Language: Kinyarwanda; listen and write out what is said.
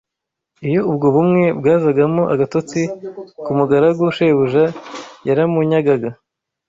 Iyo ubwo bumwe bwazagamo agatotsi ku mugaragu shebuja yaramunyagaga